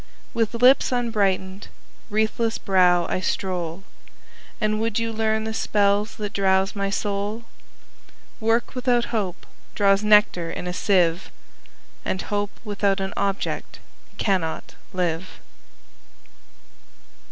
10 With lips unbrighten'd, wreathless brow, I stroll: And would you learn the spells that drowse my soul? Work without Hope draws nectar in a sieve, And Hope without an object cannot live.